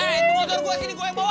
itu motor gue sini gue yang bawa